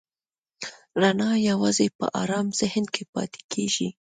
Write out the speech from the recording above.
رڼا یواځې په آرام ذهن کې پاتې کېږي.